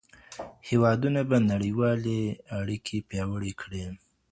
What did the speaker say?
هیوادونه به نړیوالي اړیکي پیاوړي کړي.